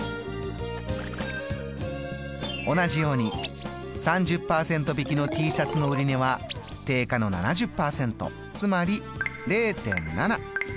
同じように３０％引きのＴシャツの売値は定価の７０％つまり０．７。